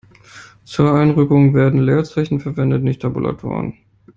Zur Einrückung werden Leerzeichen verwendet, nicht Tabulatoren.